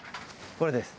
これです。